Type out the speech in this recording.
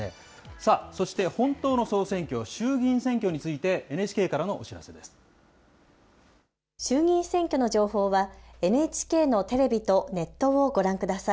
さあそして、本当の総選挙、衆議院選挙について、ＮＨＫからのお衆議院選挙の情報は、ＮＨＫのテレビとネットをご覧ください。